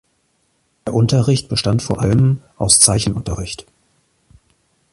Der Unterricht bestand vor allem aus Zeichenunterricht.